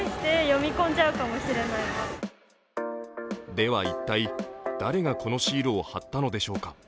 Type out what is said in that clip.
では、一体誰がこのシールを貼ったのでしょうか。